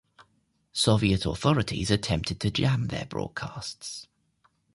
Soviet authorities attempted to jam their broadcasts.